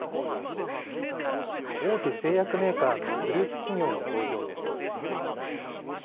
大手製薬メーカーのグループ企業の工場です。